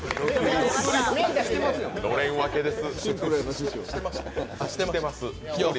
のれん分けです。